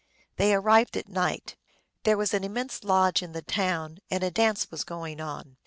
They arrived at night. There was an immense lodge in the town, and a dance was going on.